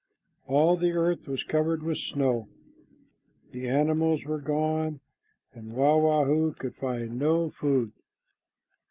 All the earth was covered with snow. The animals had gone, and Wah wah hoo could find no food.